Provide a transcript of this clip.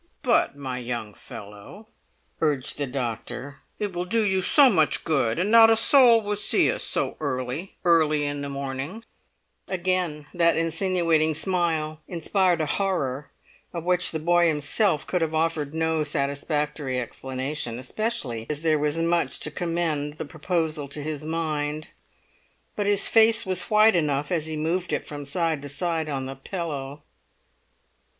"But, my young fellow," urged the doctor, "it will do you so much good. And not a soul will see us so early, early in the morning!" Again that insinuating smile inspired a horror of which the boy himself could have offered no satisfactory explanation, especially as there was much to commend the proposal to his mind. But his face was white enough as he moved it from side to side on the pillow.